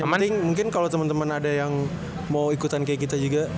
yang penting mungkin kalau teman teman ada yang mau ikutan kayak kita juga